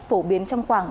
phổ biến trong khoảng